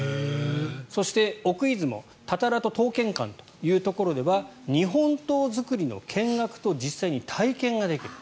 そして奥出雲たたらと刀剣館というところでは日本刀作りの見学と実際に体験ができる。